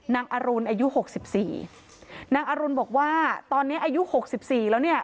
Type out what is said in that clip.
อรุณอายุหกสิบสี่นางอรุณบอกว่าตอนนี้อายุหกสิบสี่แล้วเนี่ย